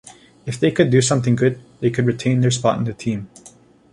If they could do something good, they could retain their spot in the team.